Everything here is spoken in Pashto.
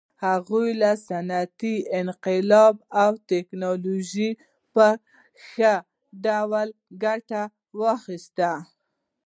هغوی له صنعتي انقلاب او ټکنالوژۍ په ښه ډول ګټه واخیسته.